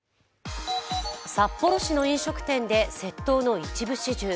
札幌市の飲食店で窃盗の一部始終。